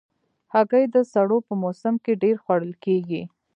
هګۍ د سړو په موسم کې ډېر خوړل کېږي.